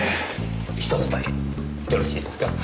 １つだけよろしいですか？